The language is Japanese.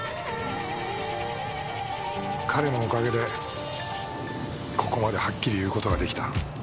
彼のおかげでここまではっきり言うことができた。